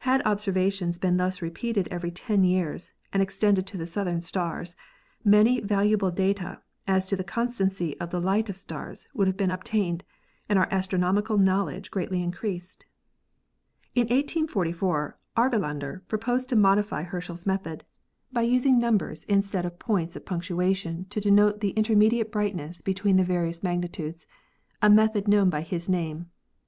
Had observations been thus repeated every ten years and ex tended to the southern stars, many valuable data as to the constancy of the light of stars would have been obtained and our astronomical knowledge greatly increased. In 1844 Argelander proposed to modify Herschel's 276 ASTRONOMY method by using numbers instead of points of punctuation to denote the intermediate brightness between the various magnitudes, a method known by his name.